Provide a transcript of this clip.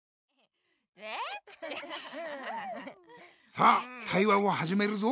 さあ対話をはじめるぞ。